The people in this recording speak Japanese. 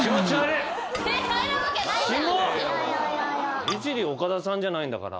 イジリー岡田さんじゃないんだから。